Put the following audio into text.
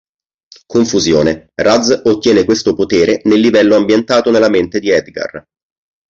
Confusione: Raz ottiene questo potere nel livello ambientato nella mente di Edgar.